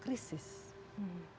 menyelesaikan suatu krisis